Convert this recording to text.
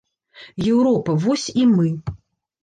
Еўропа, вось і мы.